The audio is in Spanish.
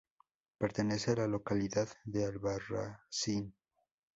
Pertenece a la localidad de Albarracín.